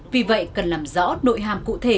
vì vậy cần làm rõ nội hàm cụ thể